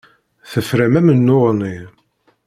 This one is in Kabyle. Tefram amennuɣ-nni.